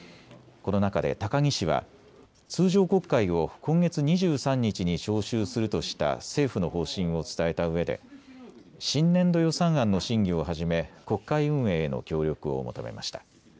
この中で高木氏は通常国会を今月２３日に召集するとした政府の方針を伝えたうえで新年度予算案の審議をはじめ国会運営への協力を求めました。